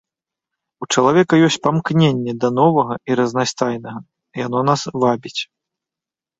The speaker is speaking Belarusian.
У чалавека ёсць памкненні да новага і разнастайнага, яно нас вабіць.